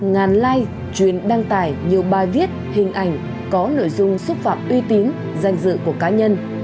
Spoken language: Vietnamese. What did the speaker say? ngàn like truyền đăng tải nhiều bài viết hình ảnh có nội dung xúc phạm uy tín danh dự của cá nhân